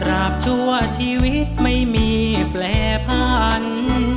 ตราบชัวร์ชีวิตไม่มีแปลภัณฑ์